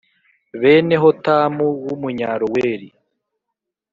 bene Hotamu w Umunyaroweri